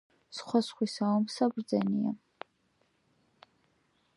სხვა სხვისა ომსა ბრძენია